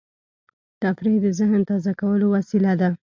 تفریح د ذهن تازه کولو وسیله ده.